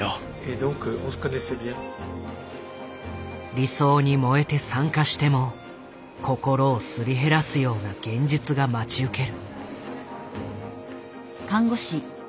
理想に燃えて参加しても心をすり減らすような現実が待ち受ける。